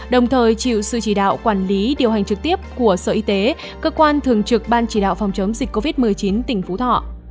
đồng thời chịu sự chỉ đạo quản lý điều hành trực tiếp của sở y tế cơ quan thường trực ban chỉ đạo phòng chống dịch covid một mươi chín tỉnh phú thọ